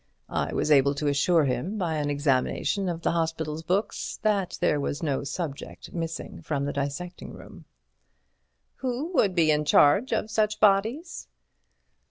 I was able to assure him, by an examination of the hospital's books, that there was no subject missing from the dissecting room." "Who would be in charge of such bodies?"